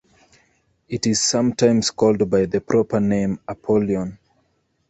It is sometimes called by the proper name Apollyon.